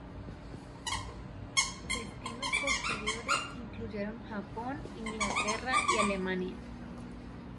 Destinos posteriores incluyeron Japón, Inglaterra y Alemania.